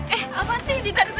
eh apaan sih di karakternya